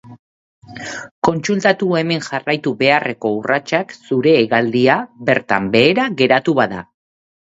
Kontsultatu hemen jarraitu beharreko urratsak zure hegaldia bertan behera geratu bada.